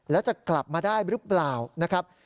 แล้วจะกลับมาได้หรือเปล่านะครับ